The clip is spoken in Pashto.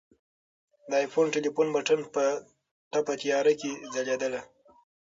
د آیفون ټلیفون بټن په تپ تیاره کې ځلېدله.